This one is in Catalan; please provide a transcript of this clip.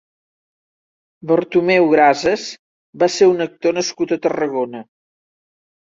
Bartomeu Grases va ser un actor nascut a Tarragona.